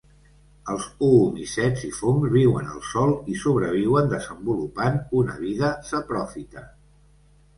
Els oomicets i fongs viuen al sòl i sobreviuen desenvolupant una vida sapròfita.